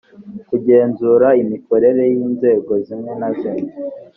kugenzura imikorere y’inzego zimwe na zimwe